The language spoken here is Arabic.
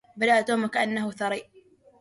بدا توم وكأنه ثري.